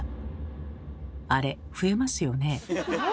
あれ増えますよね。